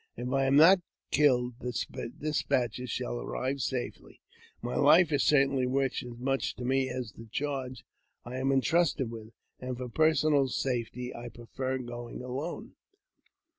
I; I am not killed the despatches shall arrive safe; my life i certainly worth as much to me as the charge I am intrusted with, and for personal safety I prefer going alone."